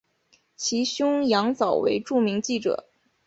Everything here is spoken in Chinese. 其兄羊枣为著名记者。